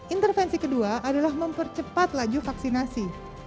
intervensi kedua adalah mempercepat laju vaksinasi